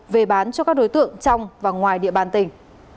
về bán cho các đối tượng trong và ngoài địa bàn tỉnh